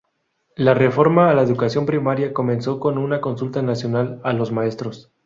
La reforma a la educación primaria comenzó con una consulta nacional a los maestros.